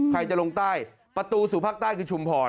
ใครจะลงใต้ประตูสู่ภาคใต้คือชุมพร